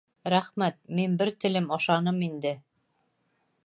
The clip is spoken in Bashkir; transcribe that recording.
Рәхмәт, мин бер телем ашаным инде